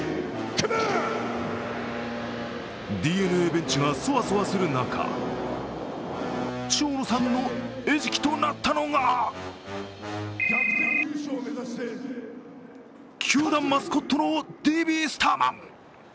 ＤｅＮＡベンチがそわそわする中、蝶野さんの餌食となったのが球団マスコットのＤＢ．スターマン。